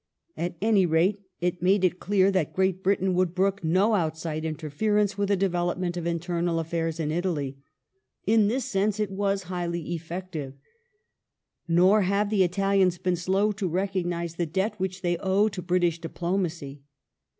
At any rate it made it clear that Great Britain would brook no out / side interference with the development of internal affairs in Italy. In this sense it was entirely effective. Nor have the Italians been slow to recognize the debt which they owe to British diplomacy.